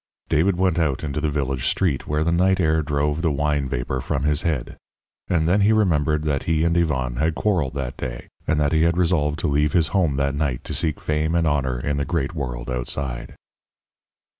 David went out into the village street, where the night air drove the wine vapour from his head. And then he remembered that he and Yvonne had quarrelled that day, and that he had resolved to leave his home that night to seek fame and honour in the great world outside.